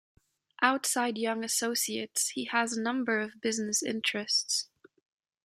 Outside Young Associates he has a number of business interests.